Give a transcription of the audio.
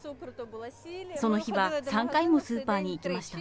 その日は３回もスーパーに行きました。